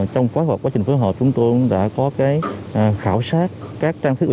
trong quá trình phối hợp chúng tôi cũng đã có khảo sát các trang thiết bị